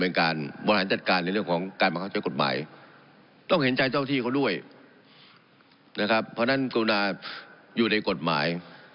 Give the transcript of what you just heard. นั่นแหละเรื่องผิดกฎหมาย